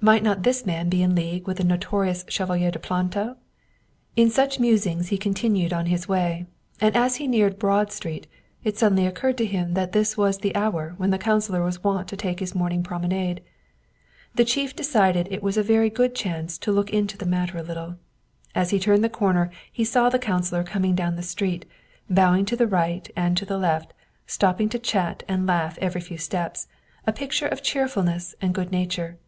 Might not this man be in league with the notorious Chevalier de Planto? In such musings he continued on his way, and as he neared Broad Street it suddenly occurred to him that this was the hour when the councilor was wont to take his morning promenade. The chief decided it was a very good chance to look into the matter a little. As he turned the corner he saw the coun cilor coming down the street, bowing to the right and to the left, stopping to chat and laugh every few steps, a picture of cheerfulness and good nature.